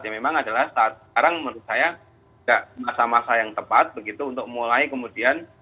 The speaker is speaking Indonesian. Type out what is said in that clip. memang adalah saat sekarang menurut saya tidak masa masa yang tepat begitu untuk mulai kemudian